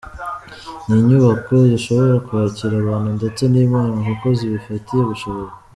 Ni inyubako zishobora kwakira abantu ndetse n’inama kuko zibifitiye ubushobozi.